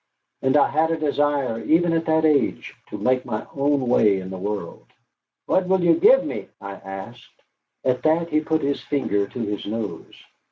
And I had a desire, even at that age, to make my own way in the world. "What will you give me?" I asked. At that he put his finger to his nose.